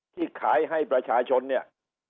ที่ขายให้ประชาชนเนี่ย